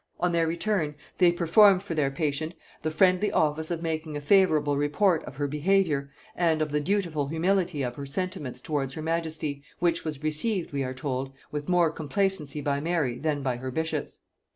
On their return, they performed for their patient the friendly office of making a favorable report of her behaviour and of the dutiful humility of her sentiments towards her majesty, which was received, we are told, with more complacency by Mary than by her bishops.